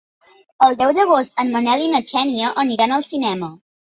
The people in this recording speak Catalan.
El deu d'agost en Manel i na Xènia aniran al cinema.